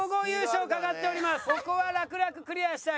ここは楽々クリアしたい。